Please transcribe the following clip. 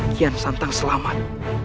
kian santang selamat